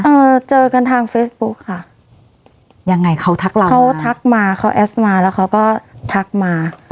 เอ่อเจอกันทางเฟซบุ๊กค่ะยังไงเขาทักเราเขาทักมาเขาแอสมาแล้วเขาก็ทักมา